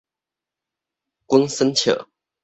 滾耍笑